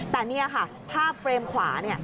แต่นี่ค่ะภาพเตรียมขวา